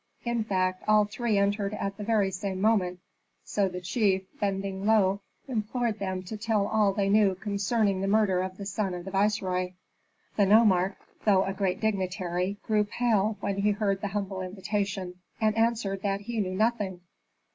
In fact, all three entered at the very same moment; so the chief, bending low, implored them to tell all that they knew concerning the murder of the son of the viceroy. The nomarch, though a great dignitary, grew pale when he heard the humble invitation, and answered that he knew nothing.